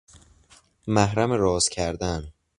محرم راز کردن